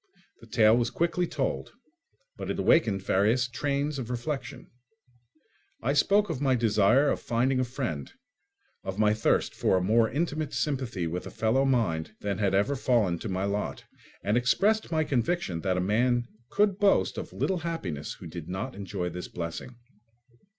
The tale was quickly told, but it awakened various trains of reflection. I spoke of my desire of finding a friend, of my thirst for a more intimate sympathy with a fellow mind than had ever fallen to my lot, and expressed my conviction that a man could boast of little happiness who did not enjoy this blessing.